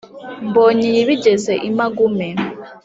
mbonyi yi bigeze i magume,